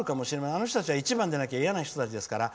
あの人たちは一番じゃなきゃ嫌な人たちですから。